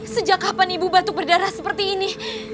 sejak kapan ibu batuk berdarah seperti ini